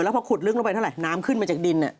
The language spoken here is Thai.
พอขุดลึกลงไปเท่าไหร่น้ำขึ้นมาจากดิน